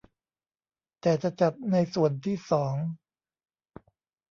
แต่จะจัดในส่วนที่สอง